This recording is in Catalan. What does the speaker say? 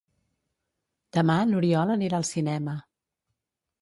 Demà n'Oriol anirà al cinema.